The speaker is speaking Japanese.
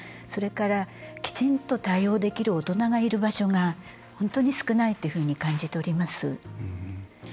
それから、きちんと対応できる大人がいる場所が本当に少ないというふうに感じております。